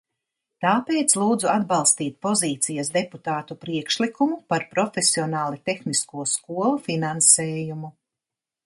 Tāpēc lūdzu atbalstīt pozīcijas deputātu priekšlikumu par profesionāli tehnisko skolu finansējumu.